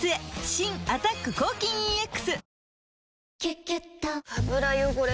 新「アタック抗菌ＥＸ」「キュキュット」油汚れ